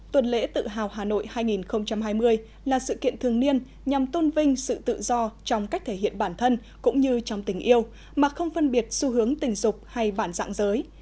tuần lễ tự hào hà nội hai nghìn hai mươi là sự kiện thường niên nhằm tôn vinh sự tự do trong cách thể hiện bản thân cũng như trong tình yêu mà không phân biệt xu hướng tình dục hay bản dạng giới